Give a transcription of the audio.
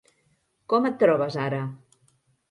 Com et trobes ara?